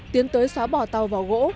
tiến tới xóa bỏ tàu vỏ gỗ